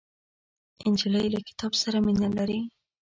نجلۍ له کتاب سره مینه لري.